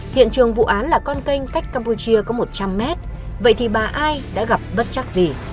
hiện trường vụ án là con canh cách campuchia có một trăm linh mét vậy thì bà ai đã gặp bất chắc gì